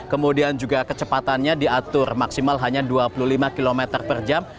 kemudian juga kecepatannya diatur maksimal hanya dua puluh lima km per jam